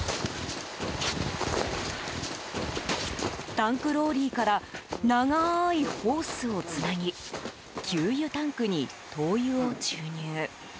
タンクローリーから長いホースをつなぎ給油タンクに灯油を注入。